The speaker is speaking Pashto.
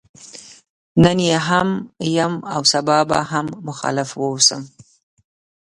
نن يې هم يم او سبا به هم مخالف واوسم.